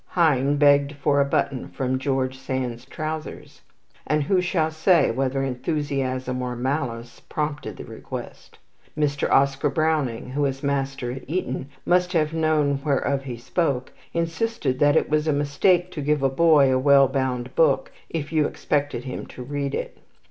Heine begged for a button from George Sand's trousers, and who shall say whether enthusiasm or malice prompted the request? Mr. Oscar Browning, who as Master at Eton must have known whereof he spoke, insisted that it was a mistake to give a boy a well bound book if you expected him to read it.